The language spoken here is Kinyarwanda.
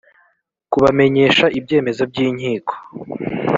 kubamenyesha ibyemezo by inkiko